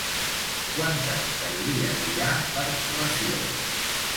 Quantes calories hi ha per ració?